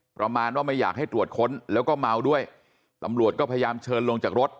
ประมาณว่าไม่อยากให้ตรวจค้นแล้วก็เมาด้วยตำรวจก็พยายามเชิญลงจากรถ